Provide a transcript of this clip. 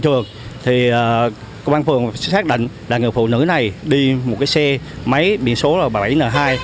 công an phường sẽ xác định là người phụ nữ này đi một cái xe máy biển số bảy n hai